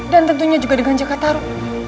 dan tentunya juga dengan jakataru